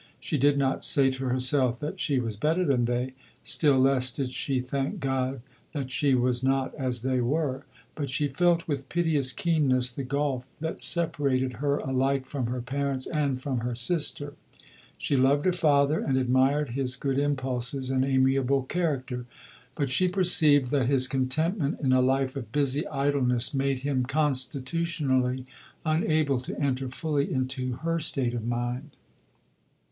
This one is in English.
She did not say to herself that she was better than they. Still less did she thank God that she was not as they were. But she felt with piteous keenness the gulf that separated her alike from her parents and from her sister. She loved her father, and admired his good impulses and amiable character. But she perceived that his contentment in a life of busy idleness made him constitutionally unable to enter fully into her state of mind.